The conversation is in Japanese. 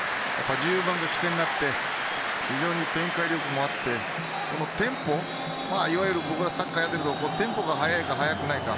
１０番が起点になって非常に展開力もあってテンポ、いわゆる僕らがサッカーをやっているとテンポが速いか、速くないか。